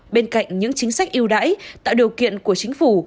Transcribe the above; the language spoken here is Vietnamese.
bên cạnh những chính sách yêu đãi tạo điều kiện của chính phủ